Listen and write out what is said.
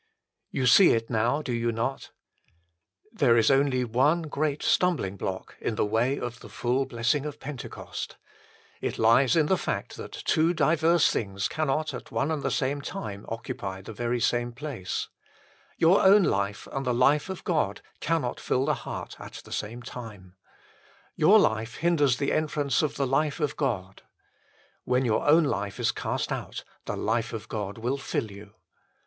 You see it now, do you not ? There is only one great stumbling block in the way of the full blessing of Pentecost. It lies in the fact that two diverse things cannot at one and the same time occupy the very same place. Your own 68 THE FULL BLESSING OF PENTECOST life and the life of God cannot fill the heart at the same time. Your life hinders the entrance of the life of God. When your own life is cast out, the life of God will fill you.